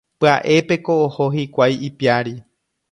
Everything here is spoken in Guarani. Pya'épeko oho hikuái ipiári.